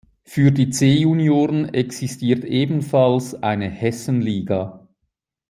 Für die C-Junioren existiert ebenfalls eine "Hessenliga".